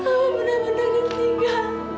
mama juga gak peduli sebetulnya